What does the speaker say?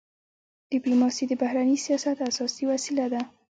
ډيپلوماسي د بهرني سیاست اساسي وسیله ده.